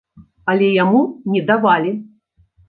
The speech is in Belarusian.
Але яму не давалі.